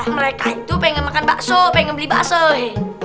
mereka itu pengen makan bakso pengen beli bakso